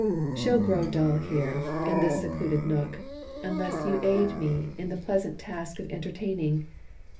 She'll grow dull here, in this secluded nook, Unless you aid me in the pleasant task Of entertaining.